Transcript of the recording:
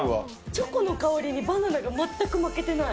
チョコの香りにバナナが全く負けてない。